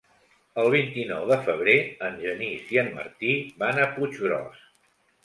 El vint-i-nou de febrer en Genís i en Martí van a Puiggròs.